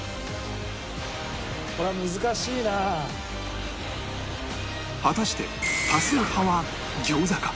これは果たして多数派は餃子か？